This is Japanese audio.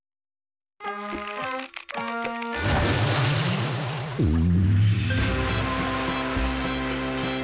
うん？